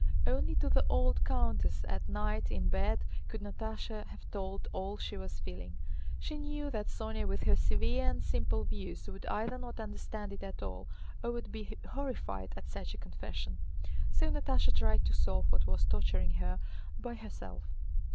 Only to the old countess at night in bed could Natásha have told all she was feeling. She knew that Sónya with her severe and simple views would either not understand it at all or would be horrified at such a confession. So Natásha tried to solve what was torturing her by herself.